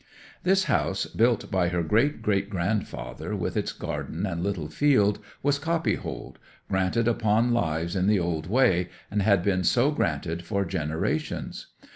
'This house, built by her great great grandfather, with its garden and little field, was copyhold—granted upon lives in the old way, and had been so granted for generations.